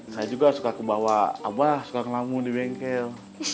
saya juga suka kebawa abah suka ngelamun di bengkel